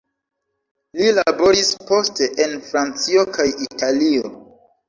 Li laboris poste en Francio kaj Italio.